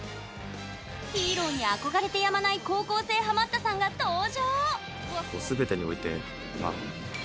ヒーローに憧れてやまない高校生ハマったさんが登場。